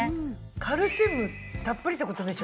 カルシウムたっぷりって事でしょ？